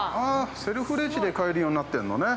セルフレジで買えるようになってるのね。